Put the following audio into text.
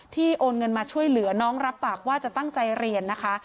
โอนเงินมาช่วยเหลือน้องรับปากว่าจะตั้งใจเรียนนะคะ